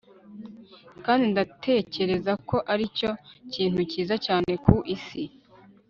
kandi ndatekereza ko ari cyo kintu cyiza cyane ku isi